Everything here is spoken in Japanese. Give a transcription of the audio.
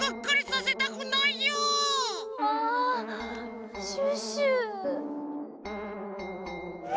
あシュッシュ。